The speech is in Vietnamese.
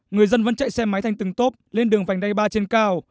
người dân vẫn chạy xe máy thanh từng tốp lên đường vành đay ba trên cao